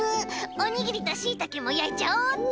おにぎりとしいたけもやいちゃおうっと！